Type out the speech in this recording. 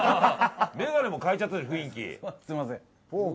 メガネも変えちゃったね雰囲気。